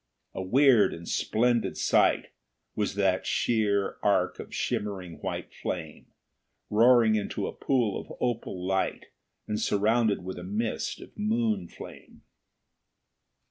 A weird and splendid sight was that sheer arc of shimmering white flame, roaring into a pool of opal light, and surrounded with a mist of moon flame.